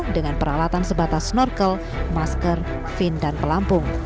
dengan peralatan sebatas snorkel masker fin dan pelampung